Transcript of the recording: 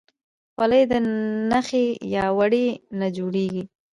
خولۍ د نخي یا وړۍ نه جوړیږي.